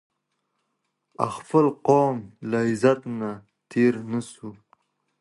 د خپل قام له عزت نه تېر نه سو